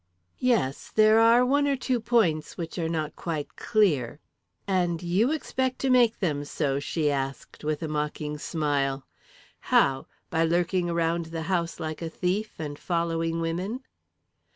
"Yes; there are one or two points which are not quite clear." "And you expect to make them so?" she asked, with a mocking smile. "How? By lurking around the house like a thief, and following women?"